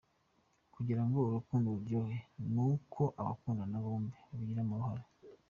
Kugira ngo urukundo ruryohe ni uko abakundana bombi babigiramo uruhare .